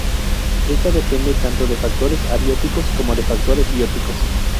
Esta depende tanto de factores abióticos como de factores bióticos.